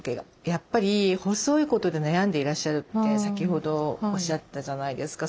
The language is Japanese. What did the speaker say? やっぱり細いことで悩んでいらっしゃるって先ほどおっしゃってたじゃないですか。